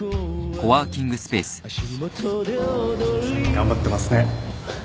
頑張ってますね。